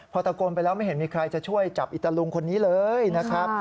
พอตะโกนไปแล้วไม่เห็นมีใครจะช่วยจับอิตาลุงคนนี้เลยนะครับ